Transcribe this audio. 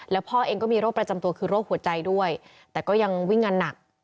แล้วพ่อเองก็มีโรคประจำตัวคือโรคหัวใจด้วยแต่ก็ยังวิ่งงานหนัก